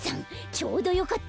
ちょうどよかった。